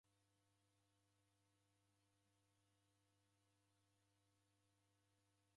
Vilongozi w'amu w'edamba kwa w'undu ghwa zoghori.